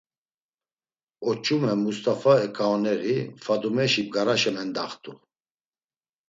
Oç̌ume Must̆afa eǩaoneri, Fadumeşi bgaraşa mendaxt̆u.